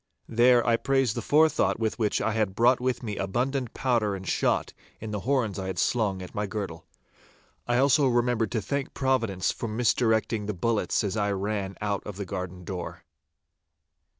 Then I praised the forethought with which I had brought with me abundant powder and shot in the horns I had slung at my girdle. I also remembered to thank Providence for misdirecting the bullets as I ran out of the garden door.